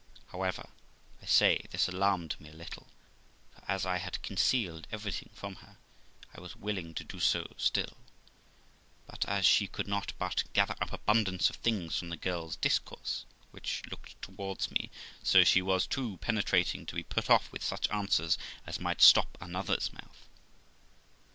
However, I say, this alarmed me a little; for as I had concealed everything from from her, I was willing to do so still; but as she could not but gather up abundance of things from the girl's discourse, which looked towards me, so she was too penetrating to be put off with such answers as might stop another's mouth.